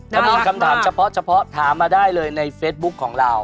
ถ้ามีคำถามเฉพาะถามมาได้เลยในเฟซบุ๊คของเรา